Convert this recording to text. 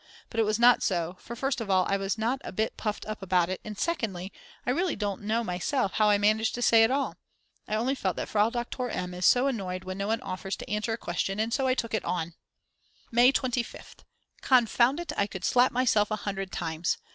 but it was not so, for first of all I was not a bit puffed up about it, and secondly I really don't know myself how I managed to say it all. I only felt that Frau Doktor M. is so annoyed when no one offers to answer a question, and so I took it on. May 25th. Confound it, I could slap myself a hundred times.